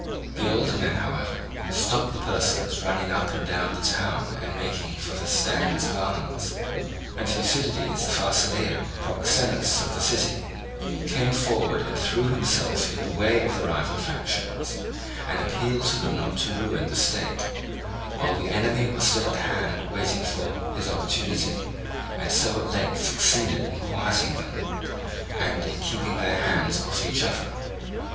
The older men, however, stopped the persons running up and down the town and making for the stands of arms; and Thucydides the Pharsalian, proxenus of the city, came forward and threw himself in the way of the rival factions, and appealed to them not to ruin the state, while the enemy was still at hand waiting for his opportunity, and so at length succeeded in quieting them and in keeping their hands off each other.